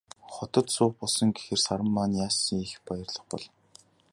Хотод суух болсон гэхээр Саран маань яасан их баярлах бол.